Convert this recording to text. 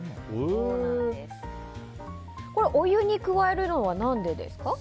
お湯に加えるのは何でですか？